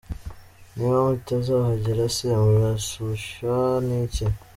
Niba mutazahagera se murarushywa n’iki ?